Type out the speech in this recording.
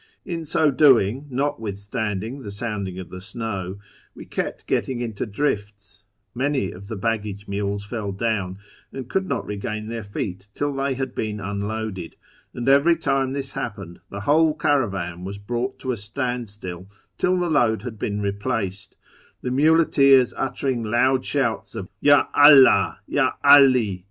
In so doing, notwithstanding the sounding of the snow, we kept getting into drifts ; many of the baggage mules fell down and could not regain their feet till they had been unloaded ; and 192 A YEAR AMONGST THE PERSIANS every time this luippcned tlic wlmlr caravan was brouglit to a standstill till tlio load had been replaced, the muleteers uttering loud shouts of ''Yd AUdh ! Yd 'AH !"